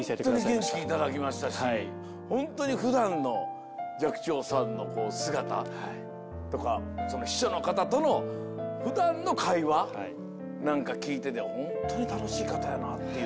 本当に元気頂きましたし、本当にふだんの寂聴さんの姿とか、秘書の方とのふだんの会話なんか聞いてて、本当に楽しい方やなっていう。